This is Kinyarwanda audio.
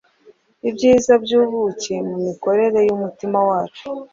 ibyiza by’ubuki ku mikorere y’umutima wacu